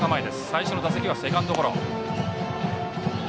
最初の打席はセカンドゴロ。